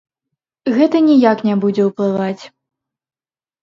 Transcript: Гэта ніяк не будзе ўплываць.